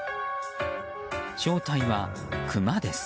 正体は、クマです。